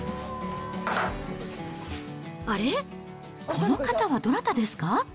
あれっ、この方はどなたですか？